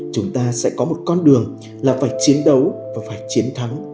chúng ta sẽ có một con đường là phải chiến đấu và phải chiến thắng